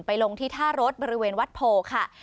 ลงที่ท่ารถบริเวณวัดโพค่ะ